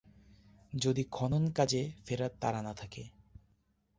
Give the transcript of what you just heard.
যদি খনন কাজে ফেরার তাড়া না থাকে।